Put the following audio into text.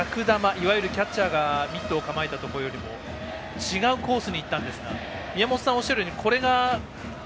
いわゆるキャッチャーがミットを構えたところよりも違うコースにいったんですが宮本さんがおっしゃるようにこれが。